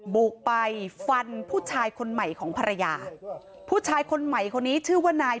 บุกไปฟันผู้ชายคนใหม่ของภรรยาผู้ชายคนใหม่คนนี้ชื่อว่านาย